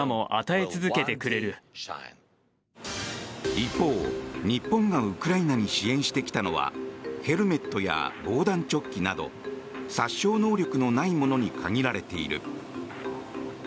一方、日本がウクライナに支援してきたのはヘルメットや防弾チョッキなど殺傷能力のないものに限られている。